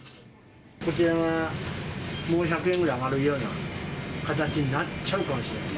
こちらがもう１００円ぐらい上がるような形になっちゃうかもしれない。